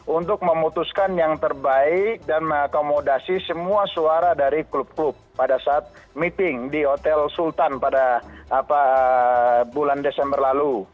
untuk memutuskan yang terbaik dan mengakomodasi semua suara dari klub klub pada saat meeting di hotel sultan pada bulan desember lalu